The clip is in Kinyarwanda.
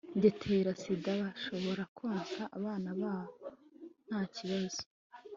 getera sida bashobora konsa abana babo nta kibazo